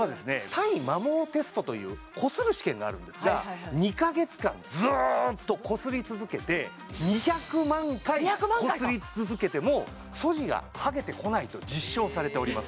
耐摩耗テストというこする試験があるんですが２カ月間ずーっとこすり続けて２００万回こすり続けても素地が剥げてこないと実証されております